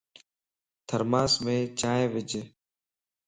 ٿرماس مَ چائي وج